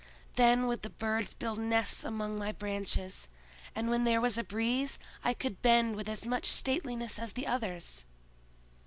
Then would the birds build nests among my branches; and when there was a breeze, I could bend with as much stateliness as the others!"